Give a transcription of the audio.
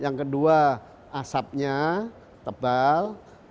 yang ketiga yang tau kapalnya itu berapa